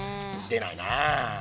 でないなあ。